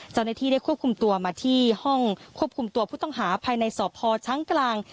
เจ้าหน้าที่ได้ควบคุมตัวมาที่ห้องควบคุมตัวผู้ต้องหาภายในสพช้างกลาง